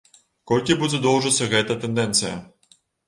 Колькі будзе доўжыцца гэта тэндэнцыя?